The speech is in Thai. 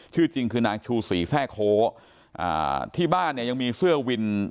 ชื่อจริงคือนางชูศรีแทร่โคอ่าที่บ้านเนี่ยยังมีเสื้อวิน